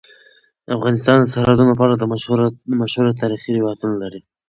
افغانستان د سرحدونه په اړه مشهور تاریخی روایتونه لري.